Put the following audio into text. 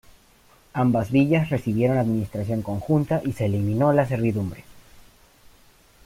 Ambas villas recibieron administración conjunta y se eliminó la servidumbre.